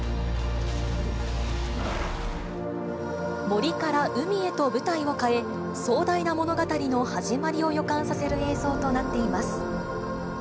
森から海へと舞台を変え、壮大な物語の始まりを予感させる映像となっています。